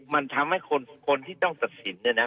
มันทำให้คนที่ต้องตัดสินเนี่ยนะ